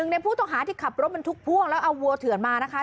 ในผู้ต้องหาที่ขับรถบรรทุกพ่วงแล้วเอาวัวเถื่อนมานะคะ